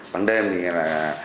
ban đêm thì là